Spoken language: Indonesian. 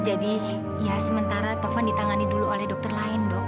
jadi ya sementara taufan ditangani dulu oleh dokter lain dok